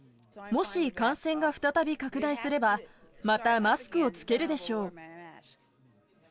もし感染が再び拡大すれば、またマスクを着けるでしょう。